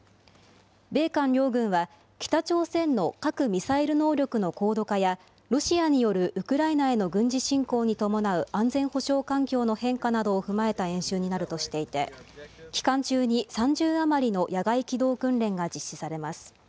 米韓両軍は、北朝鮮の核・ミサイル能力の高度化や、ロシアによるウクライナへの軍事侵攻に伴う安全保障環境の変化などを踏まえた演習になるとしていて、期間中に３０余りの野外機動訓練が実施されます。